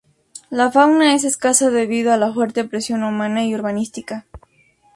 La fauna es escasa debido a la fuerte presión humana y urbanística.